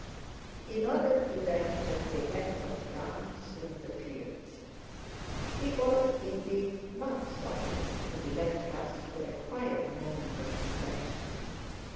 He nodded to them as they went off down through the fields. He was, indeed, not sorry to be left thus for a quiet moment of reflection.